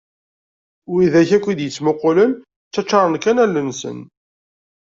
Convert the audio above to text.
Wid akk iyi-d-ittmuqulen ttaččaren kan allen-nsen.